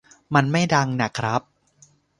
มันไม่ดังน่ะครับ